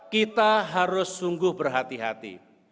kita harus sungguh berhati hati